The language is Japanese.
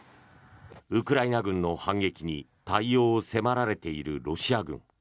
ウクライナ軍の反撃に対応を迫られているロシア軍。